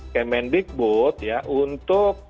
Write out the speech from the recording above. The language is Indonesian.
kemendikbud ya untuk